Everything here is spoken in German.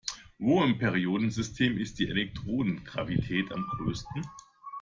Wo im Periodensystem ist die Elektronegativität am größten?